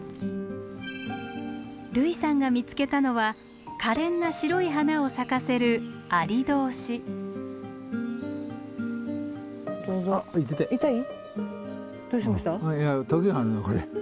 類さんが見つけたのはかれんな白い花を咲かせる痛い？